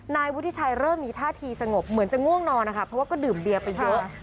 นายวุฒิชัยเริ่มมีท่าทีสงบเหมือนจะง่วงนอนนะคะเพราะว่าก็ดื่มเบียร์ไปเยอะ